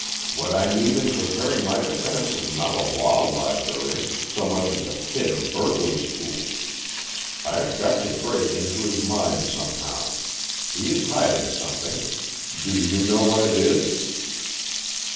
What I need in preparing my defense is not a law library so much as a kit of burglar's tools. I have got to break into his mind somehow. He is hiding something. Do you know what it is?"